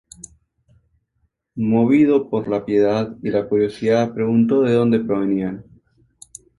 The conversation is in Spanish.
Movido por la piedad y la curiosidad preguntó de dónde provenían.